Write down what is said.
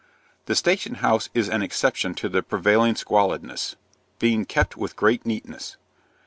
The station house is an exception to the prevailing squalidness, being kept with great neatness.